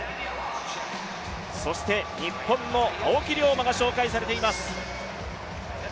そして日本の青木涼真が紹介されています。